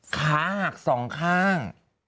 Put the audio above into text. ขาหักสองข้าง